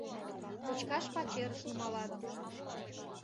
Кочкаш пачерыш нумалат.